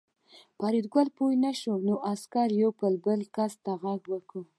فریدګل پوه نه شو نو عسکر یو بل کس ته غږ وکړ